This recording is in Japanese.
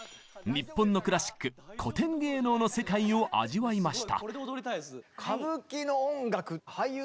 日本のクラシック古典芸能の世界を味わいました。